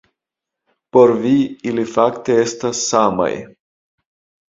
Por vi, ili fakte estas samaj.